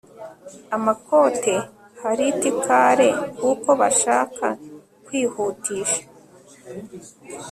amakote hariti kare kuko bashaka kwihutisha